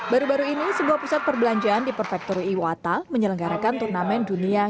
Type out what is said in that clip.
baru baru ini sebuah pusat perbelanjaan di perfektur iwata menyelenggarakan turnamen dunia